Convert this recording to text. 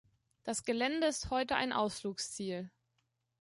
Das Gelände ist heute ein Ausflugsziel.